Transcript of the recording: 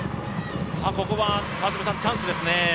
ここはチャンスですね。